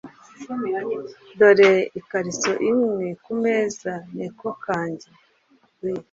dore ikariso imwe kumeza NekoKanjya